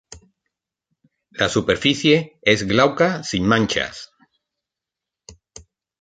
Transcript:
La superficie es glauca, sin manchas.